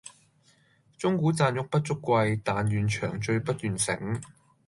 鐘鼓饌玉不足貴，但願長醉不願醒